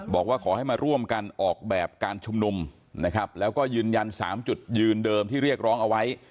บอกว่าขอให้มาร่วมกันออกแบบการชุมนุมนะครับแล้วก็ยืนยัน๓จุดยืนเดิมที่เรียกร้องเอาไว้